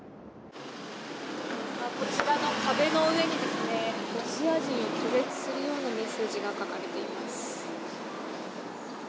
こちらの壁の上にロシア人を拒絶するようなメッセージが書かれています。